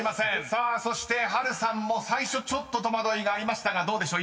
さあそして波瑠さんも最初ちょっと戸惑いがありましたがどうでしょう？］